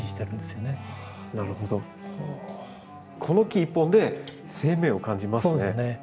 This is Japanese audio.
この木一本で生命を感じますね。